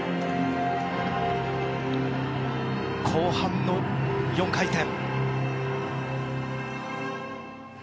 後半の４回転。